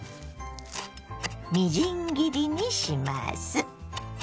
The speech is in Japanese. みじん切りにします。